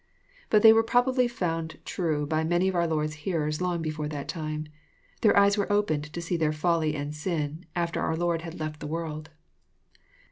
But they were probably found true by many of our Lord's hearers long before that time. Their eyes were opened to see their folly and sin, after our Lord had left the world.